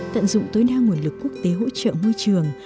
tận dụng tối đa nguồn lực quốc tế hỗ trợ môi trường